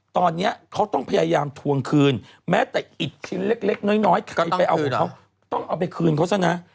ตอนนี้เขาต้องพยายามทวงคืนแม้แต่อิดชิ้นเล็กน้อยใครไปเอาของเขาต้องเอาไปคืนเขาซะนะ